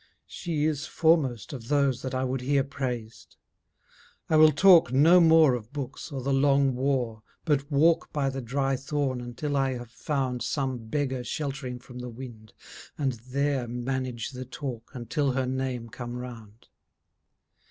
She is foremost of those that I would hear praised. I will talk no more of books or the long war But walk by the dry thorn until I have found Some beggar sheltering from the wind, and there Manage the talk until her name come round.